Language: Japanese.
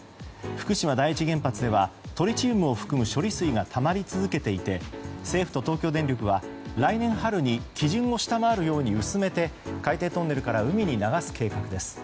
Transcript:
福島第一原発ではトリチウムを含む処理水がたまり続けていて政府と東京電力は来年春に基準を下回るように薄めて海底トンネルから海に流す計画です。